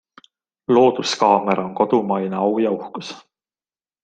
Looduskaamera on kodumaine au ja uhkus.